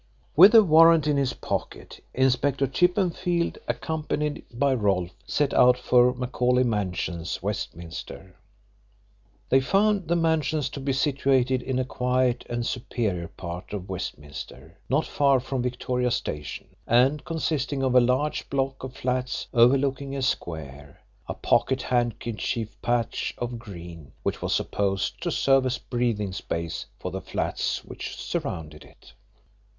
With a warrant in his pocket Inspector Chippenfield, accompanied by Rolfe, set out for Macauley Mansions, Westminster. They found the Mansions to be situated in a quiet and superior part of Westminster, not far from Victoria Station, and consisting of a large block of flats overlooking a square a pocket handkerchief patch of green which was supposed to serve as breathing space for the flats which surrounded it.